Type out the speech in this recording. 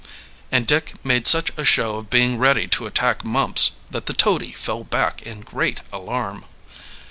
And Dick made such a show of being ready to attack Mumps that the toady fell back in great alarm.